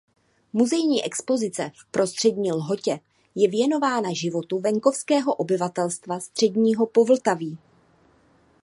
Muzejní expozice v Prostřední Lhotě je věnována životu venkovského obyvatelstva středního Povltaví.